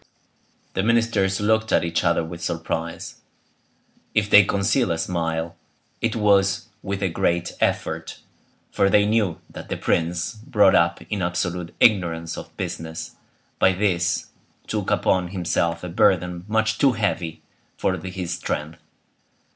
The ministers looked at each other with surprise. If they concealed a smile it was with a great effort, for they knew that the prince, brought up in absolute ignorance of business, by this took upon himself a burden much too heavy for his strength.